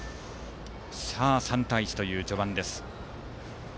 ３対１という序盤です。